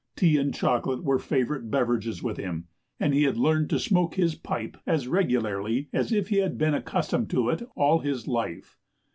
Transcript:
Tea and chocolate were favorite beverages with him, and he had learned to smoke his pipe as regularly as if he had been accustomed to it all his life.